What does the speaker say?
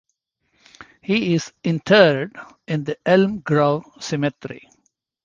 He is interred in the Elm Grove Cemetery.